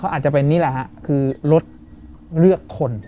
อาจจะเป็นนี่แหละฮะคือรถเลือกคน